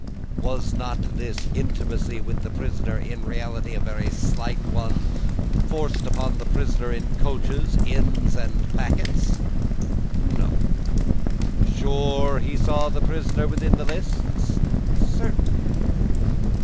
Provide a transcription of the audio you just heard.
Was not this intimacy with the prisoner, in reality a very slight one, forced upon the prisoner in coaches, inns, and packets? No. Sure he saw the prisoner with these lists? Certain.